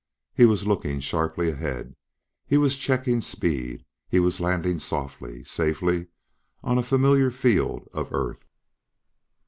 He was looking sharply ahead, he was checking speed, he was landing softly safely on a familiar field of Earth....